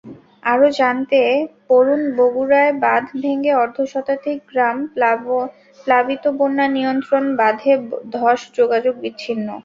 আরও জানতে পড়ুনবগুড়ায় বাঁধ ভেঙে অর্ধশতাধিক গ্রাম প্লাবিতবন্যানিয়ন্ত্রণ বাঁধে ধস, যোগাযোগ বিচ্ছিন্ন।